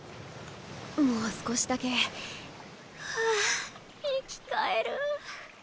もう少しだけはぁ生き返る。